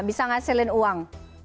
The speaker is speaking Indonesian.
bisa menghasilkan uang